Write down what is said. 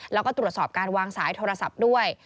แล้วก็ตรวจสอบการวางสายโทรศัพท์ด้วย